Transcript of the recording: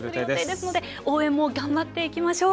応援も頑張っていきましょう。